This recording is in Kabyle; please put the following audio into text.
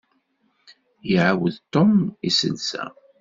Iɛawed Tom iselsa.